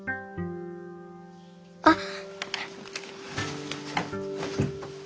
あっ。